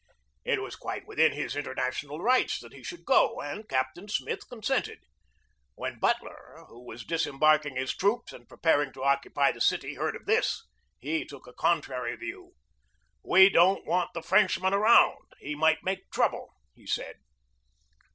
It was quite within his international rights that he should go, and Captain Smith consented. When Butler, who was disembarking his troops and pre 82 GEORGE DEWEY paring to occupy the city, heard of this, he took a contrary view. "We don't want the Frenchman around. He might make trouble," he said.